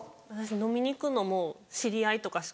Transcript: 飲みに行くのも知り合いとかしか。